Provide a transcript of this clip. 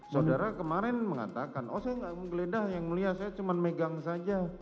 saudara kemarin mengatakan oh saya nggak menggeledah yang mulia saya cuma megang saja